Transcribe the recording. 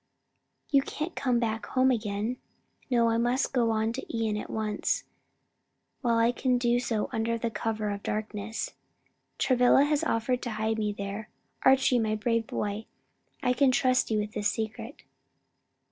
you can't come back home again?" "No; I must go to Ion at once, while I can do so under cover of the darkness. Travilla has offered to hide me there. Archie, my brave boy, I can trust you with this secret."